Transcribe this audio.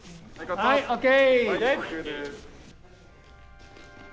はいＯＫ！